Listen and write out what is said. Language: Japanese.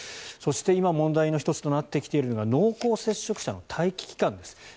そして、今問題の１つとなってきているのが濃厚接触者の待機期間です。